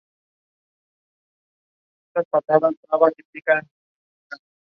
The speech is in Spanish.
Al año siguiente en Sahagún presenta "Clásicos por la calle", un espectáculo lírico.